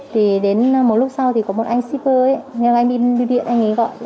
thì đến một lúc sau thì có một anh shipper nhưng anh đi biêu điện anh ấy gọi